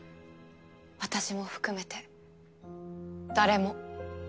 私も含めて誰も。